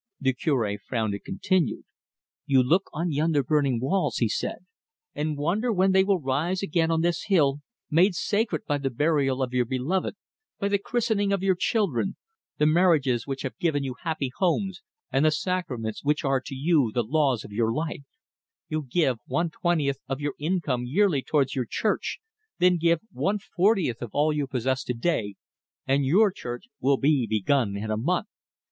The Cure frowned and continued: "'You look on yonder burning walls,' he said, 'and wonder when they will rise again on this hill made sacred by the burial of your beloved, by the christening of your children, the marriages which have given you happy homes, and the sacraments which are to you the laws of your lives. You give one twentieth of your income yearly towards your church then give one fortieth of all you possess today, and your church will be begun in a month.